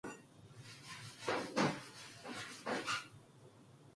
기회라 하는 것이, 사람을 망하게도 하고 흥하게도 하는 것을 아시오?